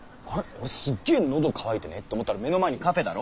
俺スッゲー喉渇いてねえ？と思ったら目の前にカフェだろ？